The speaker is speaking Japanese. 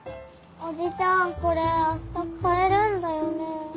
おじちゃんこれあした買えるんだよね？